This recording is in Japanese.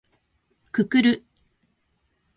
くくる